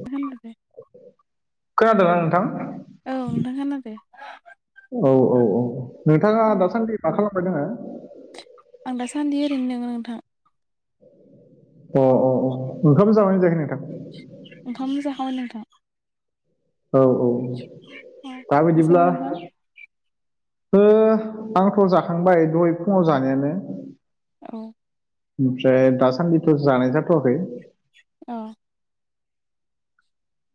[unintelligible] खोनादोंमोना नोंथां? औ नोंथां खोनादो औ औ औ नोंथाङा दासान्दि मा खालामबाय दोङो? आं दासान्दि ओरैनो दोङो नोंथां। अ अ अ ओंखाम जाबायना जायाखै नोंथां? ओंखाम जाखांबाय नोंथां औ औ अ दा [unintelligible] बिदिब्ला नोंथां ओ आंथ' जाखांबाय दहाय फुङाव जानायानो। औ ओमफ्राय दासान्दिथ' जानाय जाथ'वाखै औ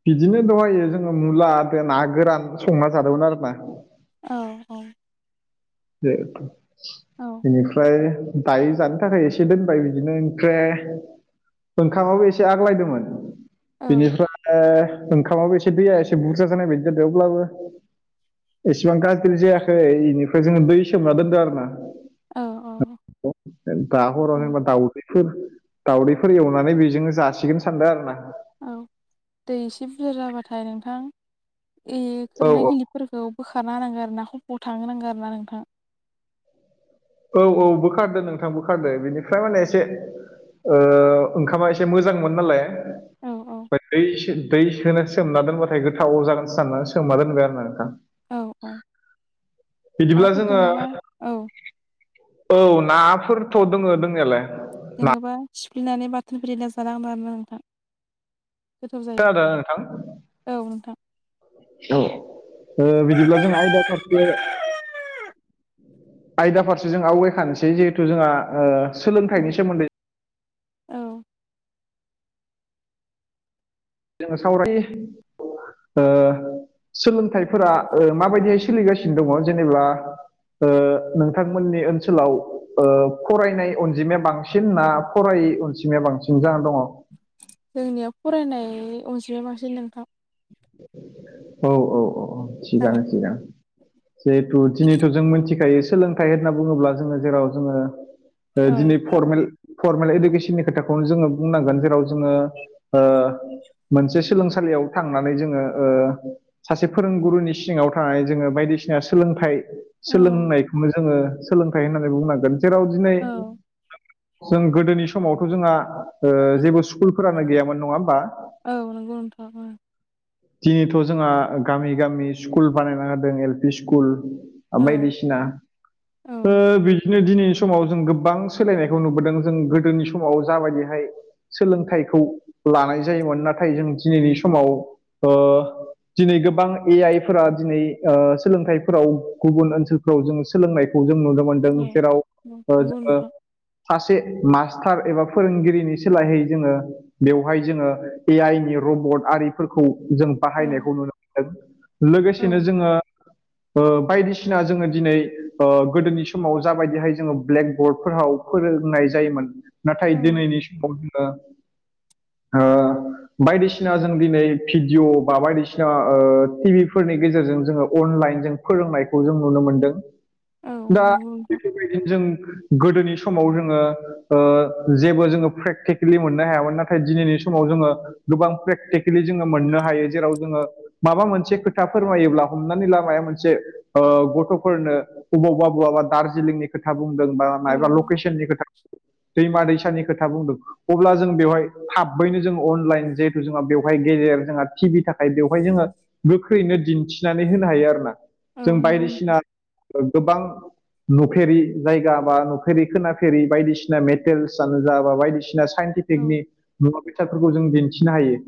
बिदिनो दहायो जोङो मुला द ना गोरान संना जादोंमोन आरोना औ औ औ बेनिफ्राय दायो जानो थाखाय एसे दोनबाय बिदिनो ओमफ्राय ओंखामाबो एसे आग्लायदोंमोन औ बेनिफ्राय ओंखामाबो एसे दैया एसे बुरजा जानाय बायदि जादों अब्लाबो एसिबां गाज्रि जायाखै बेनिफ्राय जोङो दै सोमना दोनदों आरो ना औ दा हराव जेनेबा दाउदै फोर दाावदैफोर एवनानै बेजोंनो जासिगोन सानदों आरो ना औ दै एसे बुरजा जाबाथाय नोंथां ए औ खोबनाय औ खिनिखौ फोरखौ बोखारना होनांगोन आरो ना खफखौ थां नांगौ आरो ना नोंथां औ औ बोखारदो नोंथां बोखारदो बिनिफ्राय माने एसे ओ ओंखामा एसे मोजांमोन नालाय औ औ ओ दै एसे होनानैसो सोमना दोनबाथाय गोथाव जागोन सानना सोमना दोनबाय आरो ना नोंथां औ औ बिदिब्ला नाफोर जोङो दोङोबा औ औ नाफोरथ' दङ दंनायालाय दोङोबा सिफ्लिनानै बाथोन फोरिला ब्रेना जानो हागोन मोन आरोना नोंथां गोथाव जायो खोनादोना नोंथां औ नोंथां औ ओ बिदिब्ला जों आयदाफोर आयदा फारसे जों आवगायखानोसै जिहेथु जोंहा ओ सोलोंथाइनि औ सोमोन्दै औ जोङो सावराय ओ सोलोंथाइफोरा माबायदिहाय सोलिगासिनो दङ जेनेबा ओ नोंथांमोननि ओनसोलाव ओ फरायनाय अनजिमाया बांसिन सिन ना फराय अनजिमाया बांसिन जानानै दङ जोंनियाव फरायनाय अनजिमाया बांसिन नोंथां औ औ औ औ थिगानो थिगानो जिहेथु दिनैथ' जों मिथिखायो सोलोंथाइ होनना बुङोब्ला जोङो जेराव जोङो ओ औ दिनै फरमेल फरमेल इडुकेसननि खोथाखौनो जोङो बुंनांगोन जेराव जोङो ओ मोनसे सोलोंसालियाव थांनानै जोङो ओ सासे फोरोंगुरुनि सिङाव थानाय जोङो बायदिसिना सोलोंथाइ औ सोलोंनायखौनो जोङो सोलोंथाइ होननानै बुंनांगोन जेराव दिनै औ [inaudible] जों गोदोनि समावथ' जोंहा ओ जेबो स्कुलफोरानो गैयामोन नङा ओमबा औ नोंगौ नोंथां दिनैथ' जोंहा गामि गामि स्कुल बानायना होदों एल पि स्कुल औ बायदिसिना औ ओ दिनैनि समाव जों गोबां सोलायनायखौ नुबोदों जों गोदोनि समाव जाबायदिहाय सोलोंथाइखौ लानाय जायोमोन नाथाय जों दिनैनि समाव ओ दिनै गोबां ए आइफोरा दिनै ओ सोलोंथाइफोराव गुबुन ओनसोल फ्राव जोङो सोलोंनायखौ जों नुनो मोनदों जेराव औ ओ नंगौ जोङो नोंथां सासे मास्टार एबा फोरोंगिरिनि सोलायहै जोङो बेवहाय जोङो ए आइ नि रर्बट आरिफोरखौ जों औ बाहायनायखौ नुनो मोनदों औ लोगोसेनो जोङो [inaudible] ओ बायदिसिना जोङो दिनै ओ गोदोनि समाव जाबायदिहाय जोङो ब्लेक बर्डफोराव फोरोंनाय जायोमोन नाथाय औ दिनैनि समाव जोङो ओ बायदिसिना जों दिनै भिडिय' बा बायदिसिना ओ टि भिफोरनि गेजेरजों जोङो अनलाइन जों फोरोंनायखौ जों नुनो मोनदों औ दा नंगौ नोंथां बेफोरबायदि जों गोदोनि समाव जोङो ओ जेबो जोङो प्रेक्टिकेलि मोननो हायामोन नाथाय दिनैनि समाव जोङो गोबां प्रेक्टिकेलि जोङो मोननो हायो जेराव जोङो माबा मोनसे खोथा फोरमायोब्ला हमनानै ला माया मोनसे ओ गथ'फोरनो बबावबा बवाबा दार्जिलिंनि खोथा बुंदों बा औ मायबा लकेसननि खोथा दैमा दैसानि खोथा बुंदों अब्ला जों बेवहाय थाबैनो जों अनलाइन जिहेथु जोंहा बेव बेवहाय गेजेर जोंहा टिभि थाखाय बेवहाय जोङो गोख्रैनो दिन्थिनानै होनो हायो आरोना। औ जों नंगौ नोंथां बायदिसिना गोबां नुफेरि जायगा बा नुफेरि खोनाफेरि बायदिसिना मेटेरेल्सआनो जा बा बायदिसिना साइन्टिफि कनि औ मुवा बेसादफोरखौ जों दिन्थिनो हायो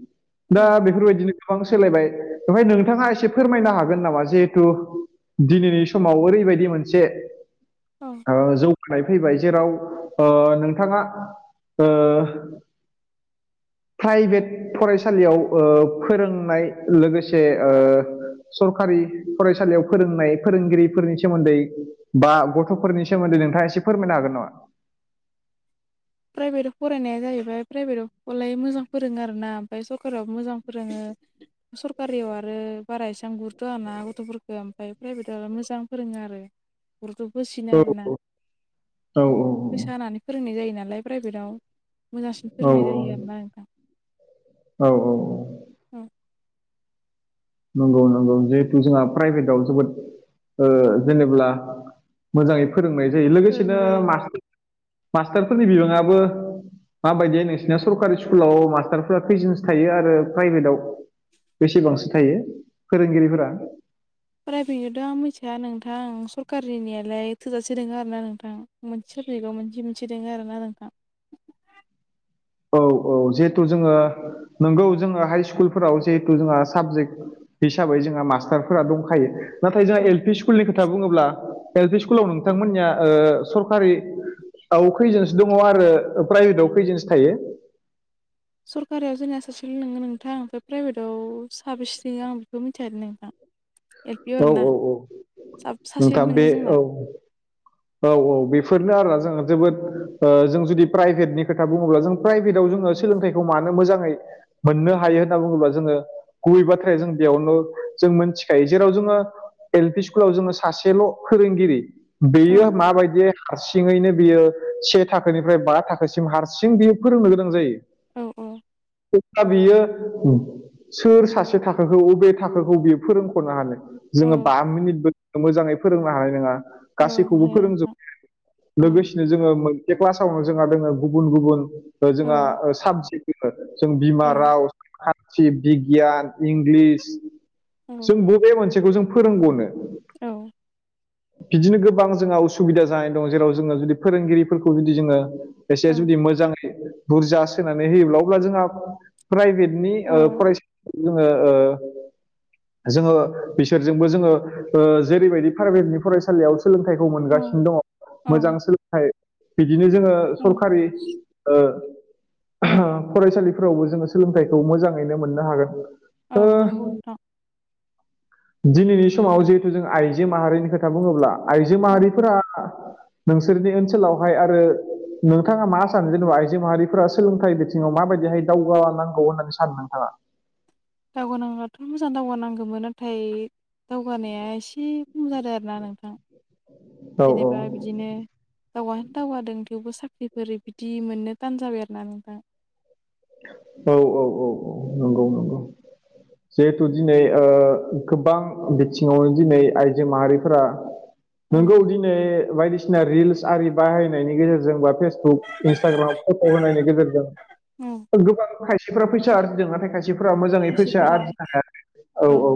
दा औ बेफोरबायदिनो गोबां सोलायबाय बेवहाय नोंथाङा एसे फोरमायनो हागोन नामा? जिहेथु दिनैनि समाव ओरैबायदि मोनसे औ ओ जौ फैबाय जेराव नोंथाङा प्राइभेट सालियाव ओ फोरोंनाय लोगोसे ओ सरखारि फरायसालियाव फोरोंनाय फोरोंगिरिफोरनि सोमोन्दै बा गथ'फोरनि सोमोन्दै नोंथाङा एसे फोरमायनो हागोन नामा? प्राइभेटआव फरायनाया जाहैबाय प्राइभेटआवलाय मोजां फोरोङो आरोोना ओमफ्राय सरकारियाव मोजां फोरोङो सरकारियाव आरो बारा एसां गुरुतआ ना गथ'फोरखौ ओमफ्राय प्राइभेटआव मोजां फोरोङो आरो। गुरत बोसिनो औ आरोना औ फैसा होनानानै फोरोंनाय जायो नालाय प्राइभेटाव मोजांसिन औ फोरोंनाय जायो आरोना नोंथां। औ औ औ। औ नंगौ नंगौ जिहेथु जोंहा प्राइभेटाव जोबोद ओ जेनेब्ला मोजाङै फोरोंनाय जायो लोगोसेनो फोरोंनाय जायो मा मास्टारफोरनि बिबाङा माबायदि नोंसिनिना सरकारि स्कुलाव मास्टारफोरा फैजिन्स थायो आरो प्राइभेटआव बेसेबांसो थायो फोरोंगिरिफोरा। प्राइभेटजोंथ' आं मिथिया नोंथां सरकारिनियालाय थोजासे दोङ आरोना नोंथां। मोनसे साबजेक्टआव मोनसे मोनसे दङ आरोना नोंथां। औ औ जिहेथु जोङो नोंगौ जोङो हाइ स्कुलफोराव जिहेथु जोंहा साबजेक्ट हिसाबै जोंहा मास्टारफोरा दंखायो नाथाय जोंहा औ एल पि स्कुल स्कुलनि खोथा बुङोब्ला बे स्कुलाव नोंथांमोननिया सरखारि औ खैजोनसो दङ आरो प्राइभेटआव खैजोनसो थायो। सरकारियाव जोंनिया सासेल' नोंङो नोंथां ओमफ्राय प्राइभेटाव साबेस्रि आं बेखौ मिथिखादों नोंथां। एल पि अ औ आर ना औ औ सासे नोंथां बे नोङो जोंना औ औ औ बेफोरनो आरोा जों जोबोद जों जुदि प्राइभेटनि खोथा बुङोब्ला जों प्राइभेटाव जोङो सोलोंथाइखौ मानो मोजाङै मोननो हायो होनना बुङोब्ला जोङो गुबै बाथ्राया जों बेयावनो जों मोनथिखायो। जेराव जोङो एल पि स्कुलाव जोङो सासेल' फोरोंगिरि औ बेयो माबायदि हारसिङैनो बियो से थाखोनिफ्राय बा थाखोसिम हारसिं बियो फोरोंनो गोनां जायो। औ औ औ। द बियो सोर सासे थाखोखौ बबे थाखोखौ बियो फोरोंख'नो हानो। औ जोङो बा मिनिटबो मोजाङै फोरोंनो हानाय नङा औ गासैखौबो ओमफ्राय नोंथां फोरोंजोबबाय औ लोगोसेनो जोङो मोनसे क्लासावनो जोंहा दोङो गुबुन गुबुन औ जोंहा साबजेक्ट जों औ बिमा राव सथि बिगियान इंलिस औ जों बबे मोनसेखौ जों फोरोंग'नो औ बिदिनो गोबां जोंहा उसुबिदा जानानै दं जेराव जोङो जुदि फोरोंगिरिफोरखौ जुदि जोङो औ एसे जुदि मोजाङै बुरजा सोनानै होयोब्ला अब्ला जोंहा प्राइभेट नि ओ फरायसा जोङो ओ जोङो बिसोरजोंबो जोङो ओ जेरैबायदि प्राइभेटनि फरायसालियाव सोलोंथाइखौ औ मोनगासिनो दङ' औ मोजां सोलों थाइ बिदिनो जोङो औ सरखारि ओ फरायसालिफोरावबो जोङो सोलोंथाइखौ मोजाङैनो मोननो हागोन औ नंगौ ओ नोंथां दिनैनि समाव जिहेथु जों आइजो माहारिनि खोथा बुङोब्ला आइजो औ माहारिफोरा नोंसोरनि ओनसोलावहाय आरो नोंथाङा मा सानो जेनेबा आइजो माहारिफोरा सोलोंथाइ बिथिङाव माबायदिहाय दावगानांगौ होननानै सानो नोंथाङा? दावगानांब्लाथ' मोजां दावगानांगौमोन नाथाय दावगानाया एसे खम जादों आरोना नोंथां औ जेनेबा बिदिनो दावा दावगादों थेवबो साख्रिफोर बिदि मोननो तान जाबाय आरोना नोंथां औ औ औ औ नंगौ उम नंगौ [inaudible] जिहेथु दिनै ओ गोबां बिथिङावनो दिनै आइजो माहारिफोरा नोंगौ दिनै बायदिसिना रिल्स आरि बाहायनायनि गेजेरजों बा फेसबुक इन्सटाग्राम फट' होनायनि गेजेरजों औ गोबां खायसेफ्रा फैसा आरजिदों नाथाय खायसे मसिफोरा मोजाङै फैसा खायसेफोरा आरजिनो हाया औ औ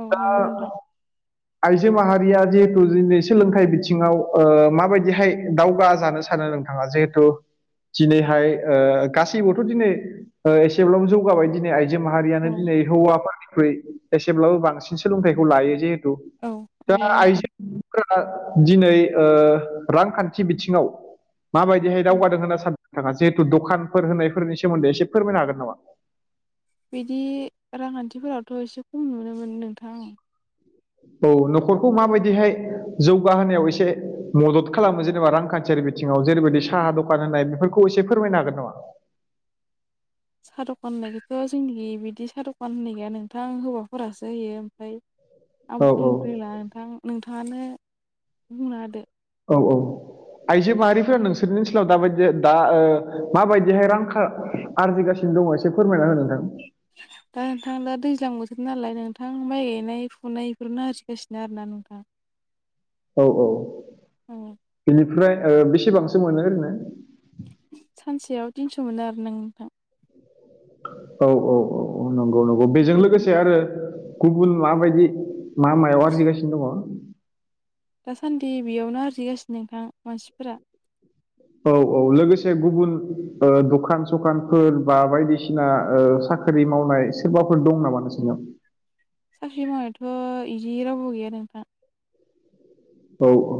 औ नंगौ नोंथां दा आइजो माहारिया जिहेथु दिनै सोलोंथाइ बिथिङाव ओ माबायदिहाय दावगाजानो सानो नोंथां थाङा जिहेथु दिनैहाय ओ गासैबो थ' दिनै ओ एसेब्लाबो जौगाबाय दिनै आइजो माहारियानो औ दिनै हौवाफोरनिख्रुइ एसेब्लाबो बांसिन सोलोंथाइखौ लायो जिहेथु औ औ दा लायो नोंथां आइजो फोरा नो दिनै ओ रांखान्थि बिथिङाव माबायदिहाय औ दावगादों होनना सानो नोंथाङा जिहेथु द'खानफोर होनायफोरनि सोमोन्दै एसे फोरमायनो हागोन नामा? बिदि रांखान्थिफोरावथ' एसे खम नुनो मोनो नोंथां औ न'खरखौ माबायदिहाय जौगाहोनायाव एसे मदद खालामो जेनेबा रांखान्थियारि बिथिङाव जेरैबायदि साहा दखान होनाय बेफोरखौ एसे फोरमायनो हागोन नामा? सा दखान होननायखौथ' जोंनि बिदि सा दखान होनाय गैया नोंथां हौवाफोरासो होयो ओमफ्राय आं औ बुंनो औ रोंला नोंथां नोंथाङानो बुंना होदो औ औ आइजो माहारिफोरा नोंसोरनि ओनसोलाव दाबायदि दा ओ माबायदिहाय रां खा आरजिगासिनो दङ' एसे फोरमायना हो नोंथां दा नोंथां दा दैज्लां बोथोर नालाय नोंथां माइ गायनाय फुनाय इफोरनो आरजिगासिनो आरोना नोंथां [inaudible] औ औ औ बिनिफ्राय ओ बेसेबांसो मोनो ओरैनो? सानसेयाव तिनस' मोनो आरो नों नोंथां औ औ औ नंगौ नंगौ बेजों ओमफ्राय लोगोसे आरो गुबुन माबायदि मा मायाव आरजिगासिनो दङ '? दासान्दि बेयावनो आरजिगासिनो नोंथां मानसिफोरा औ औ लोगोसे गुबुन ओ दखान-सखानफोर बा बायदिसिना ओ साख ख्रि मावनाय सोरबाफोर दं नामा नोंसोरनियाव? साख्रि मावनायथ' इदि रावबो गैया नोंथां औ औ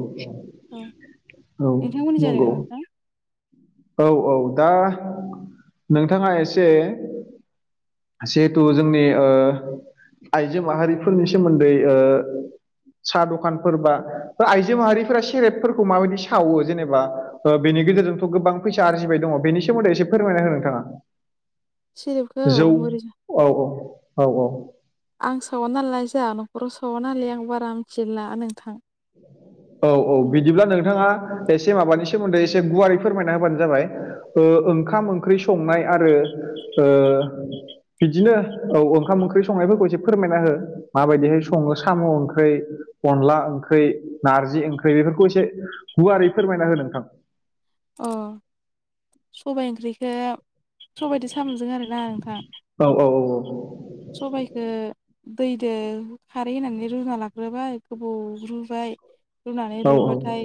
औ औ नोंथांमोननि जादों नंगौ नोंथां औ औ दा नोंथाङा एसे जिहेथु जोंनि ओ आइजो माहारिफोरनि सोमोन्दै ओ साहा दखानफोर बा ओ आइजो माहारिफोरा सेरेबफोरखौ माबायदि सावो जेनेबा ओ बेनि गेजेरजोंथ' गोबां फैसा आरजिबाय दङ बेनि सोमोन्दै एसे फोरमायना हो नोंथाङा सेरेबखौ जौ [unintelligible] औ औ औ औ आं सावा नालाय जाहा न'खराव सावानालाय आं बारा मिथिलाय लाङा नोंथां। औ औ बिदिब्ला नोंथाङा एसे माबानि सोमोन्दै एसे गुवारै फोरमायना होबानो जाबाय। ओ ओंखाम ओंख्रि संनाय आरो ओ बिदिनो औ ओंखाम ओंख्रि संनायफोरखौ एसे फोरमायना हो माबायदिहाय सङो साम' ओंख्रै अनला ओंख्रै नारजि ओंख्रै बेफोरखौ एसे गुवारै फोरमायना हो नोंथां अ सबाइ ओंख्रिखो सबाइदो सामजों आरोना नोंथां औ औ औ औ औ सबाइखो दैदो खारै होनानै रुना लाग्रोबाय गोबोव रुबाय रुनानै औ रुइबाथाय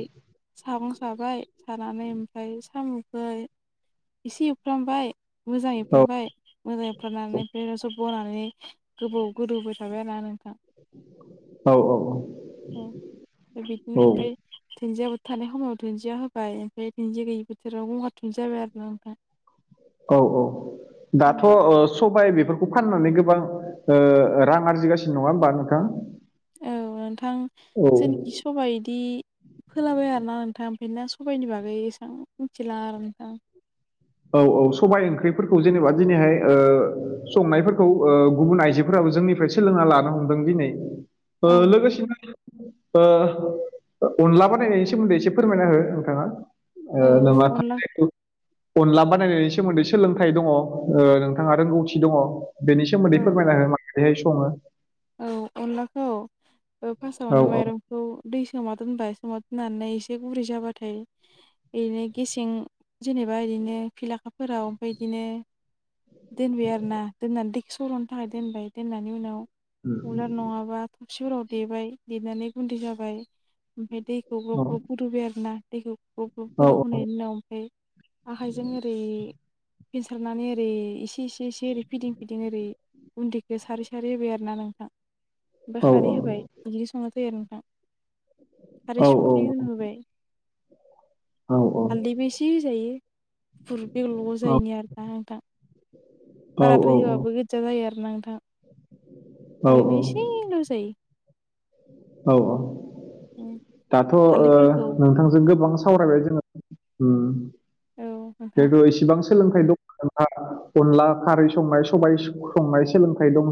सागं साबाय सानानै ओमफ्राय सामुखो इसे एवफ्रामबाय मोजां एवफ्रामबाय मोजां एवफ्रामनानै ओमफ्राय [unintelligible] बनानै गोबाव गोदौहोबाय थाबाय आरोना नोंथां। औ ए औ बिब्दिनो ओमफाय धुन्दियाबो थानाय खमाव धुन्दिया होबाय ओमफाय धुन्दिया गैयि बोथोराव गगार धुन्दिया होबाय आरो ना नोंथां। [inaudible] औ औ औ दाथ' ओ सबाय बेफोरखौ फाननानै गोबां ओ रां आरजिगासिनो नङा होमबा नोंथां? औ नोंथां औ जेनिखि सबाय इदि फोलाबाया आरोना नोंथां बेनोना सबाइनि बागै एसां मिथिलाय लाङा आरोना नोंथां। औ औ सबाय ओंख्रिफोरखौ जेनेबा दिनैहाय ओ संनायफोरखौ ओ गुबुन आइजोफोराबो जोंनिफ्राय सोलोंना लानो हमदों दिनै ओ औ लोगोसेनो ओ अनला बानायनायनि सोमोन्दै एसे फोरमायना हो नोंथाङा ओ औ अनला [unintelligible] अनला बानायनायनि सोमोन्दै सोलोंथाइ दङ ओ नोंथाङा रोंगौथि दङ बेनि सोमोन्दै औ फोरमायना हो मागोदैहाय सङो औ अनलाखौ ओ फासावनो माइरं खौ दै सोमना दोनबाय सोमना दोननानै एसे गुरै जाबाथाय इदिनो गेसें जेनेबा इदिनो फिलाखाफोराव ओमफाय इदिनो दोनबाय आरोना दोननानै दैखो सर'नो थाखाय दोनबाय दोननानै उनाव उलार नङाबा थबसिफोराव देबाय देनानै गुन्दै जाबाय ओमफाय दै खौ ग्लब ग्लब गोदौबाय आरो ना दैखौ ग्लब ग्लब गोदौहोनाय नि उनाव ओमफाय आखाइजों ओरै फेनसारनानै ओरै इसे इसे इसे ओरै फिदिं फिदिं ओरै गुन्दैखो सारै सारै होबबाय आरोना नों ओमफाय खारै होबाय बिदिनो संनाय जायो आरो नोंथां। खारै औ सुंख्रि होना होबाय औ औ हालदैबो इसे होजायो। फुर बेग्ल' ग्ल' जायैनि आरोना नोंथां औ बाराद्राय होबाबो गोदजा जायो आरोना नोंथां ओरैनो एसेल' होजायो। औ औ उम दाथ' ओ हालदैफोरखौ नोंथांजों गोबां सावरायबाय जोङो उम औ नोंथां जेहेतु इसिबां सोलोंथाइ दं नोंथाङा अनला खारै संनाय सबाय संनाय सोलोंथाइ दं